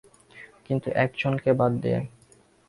কিন্তু এক জনকে বাদ দিয়ে।